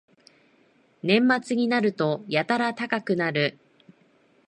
年末になるとやたら高くなる